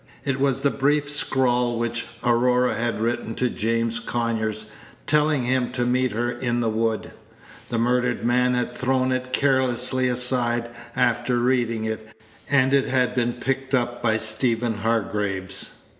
It was the brief scrawl which Aurora had written to James Conyers, telling him to meet her in the wood. The murdered man had thrown it carelessly aside, after reading it, and it had been picked up by Stephen Hargraves.